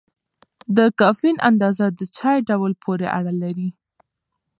د کافین اندازه د چای ډول پورې اړه لري.